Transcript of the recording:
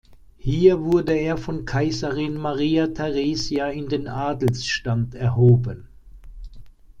Hier wurde er von Kaiserin Maria Theresia in den Adelsstand erhoben.